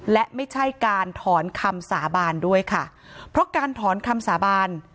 และไม่ใช่การถอนคำสาบานด้วยค่ะเพราะการถอนคำสาบาน